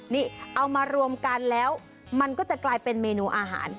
นี่เอามารวมกันแล้วมันก็จะกลายเป็นเมนูอาหาร